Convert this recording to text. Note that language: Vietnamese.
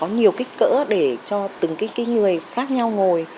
nhiều kích cỡ để cho từng cái người khác nhau ngồi